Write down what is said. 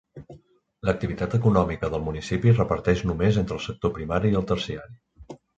L'activitat econòmica del municipi es reparteix només entre el sector primari i el terciari.